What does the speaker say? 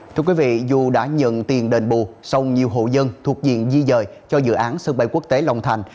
thưa quý vị dù đã nhận tiền đền bù song nhiều hộ dân thuộc diện di dời cho dự án sân bay quốc tế long thành